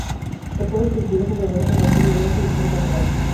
Se puede sustituir jugadores en cualquier momento y tiempo real.